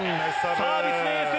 サービスエース！